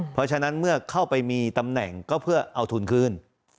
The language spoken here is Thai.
เพราะฉะนั้นเมื่อเข้าไปมีตำแหน่งก็เพื่อเอาทุนคืน